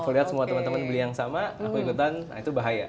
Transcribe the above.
aku lihat semua teman teman beli yang sama aku ikutan nah itu bahaya